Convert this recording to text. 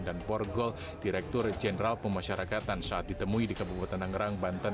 dan borgol direktur jenderal pemasyarakatan saat ditemui di kabupaten nangerang banten